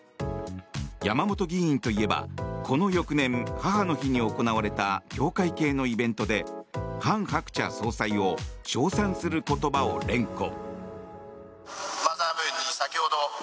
山本議員といえばこの翌年、母の日に行われた教会系のイベントでハン・ハクチャ総裁を称賛する言葉を連呼。